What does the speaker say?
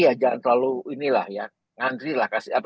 ya jangan terlalu inilah ya ngandri lah